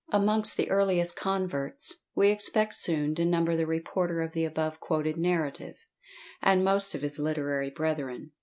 Amongst the earliest converts, we expect soon to number the reporter of the above quoted narrative, and most of his literary brethren.